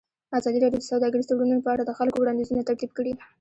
ازادي راډیو د سوداګریز تړونونه په اړه د خلکو وړاندیزونه ترتیب کړي.